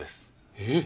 えっ！